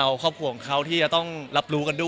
เอาครอบครัวของเขาที่จะต้องรับรู้กันด้วย